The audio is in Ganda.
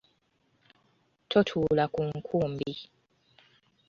Totuula ku nkumbi.